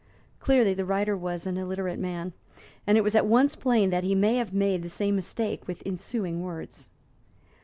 Clearly, the writer was an illiterate man, and it was at once plain that he may have made the same mistake with ensuing words.